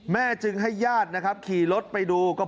จึงให้ญาตินะครับขี่รถไปดู